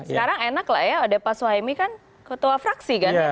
sekarang enak lah ya ada pak suhaimi kan ketua fraksi kan